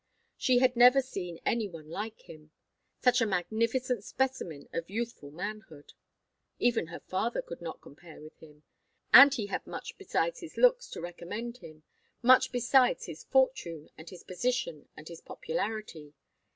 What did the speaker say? She had never seen any one like him such a magnificent specimen of youthful manhood. Even her father could not compare with him. And he had much besides his looks to recommend him, much besides his fortune and his position and his popularity.